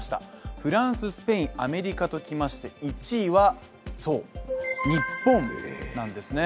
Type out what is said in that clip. フランス、スペイン、アメリカときまして、１位はそう、日本なんですね。